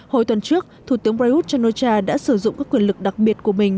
hồi tuần trước thủ tướng prayuth chan o cha đã sử dụng các quyền lực đặc biệt của mình